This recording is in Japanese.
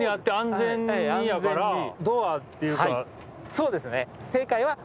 そうですね。